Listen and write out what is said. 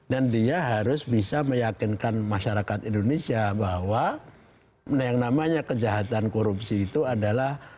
dan dia harus bisa meyakinkan masyarakat indonesia bahwa yang namanya kejahatan korupsi itu adalah